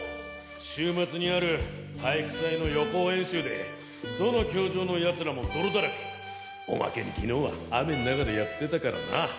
週末にある体育祭の予行演習でどの教場の奴らも泥だらけおまけに昨日は雨ん中でやってたからな。